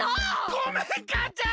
ごめんかあちゃん！